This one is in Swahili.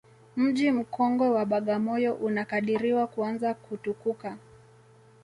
Mji mkongwe wa Bagamoyo unakadiriwa kuanza kutukuka